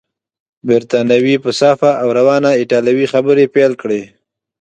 بریتانوي په صافه او روانه ایټالوې خبرې پیل کړې.